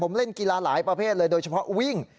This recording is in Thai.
ผมเล่นกีฬาหลายประเภทเลยโดยเฉพาะวิ่ง